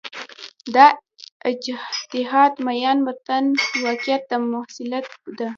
دا اجتهاد میان متن واقعیت و مصلحت ده.